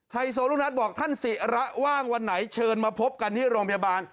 ไฮโซลูกนัทบอกท่านศิระว่างวันไหนเชิญมาพบกันที่โรงพยาบาล